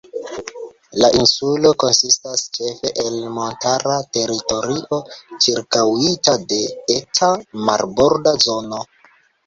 La insulo konsistas ĉefe el montara teritorio ĉirkaŭita de eta marborda zono.